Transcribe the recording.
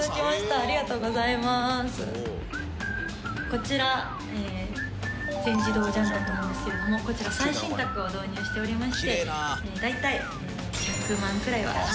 こちら全自動雀卓なんですけれどもこちら最新卓を導入しておりまして大体１００万くらいはしましたね。